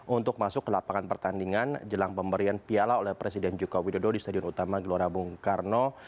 untuk masuk ke lapangan pertandingan jelang pemberian piala oleh presiden joko widodo di stadion utama gelora bung karno